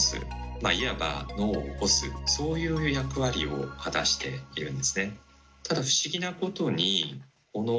まあいわば「脳を起こす」そういう役割を果たしているんですね。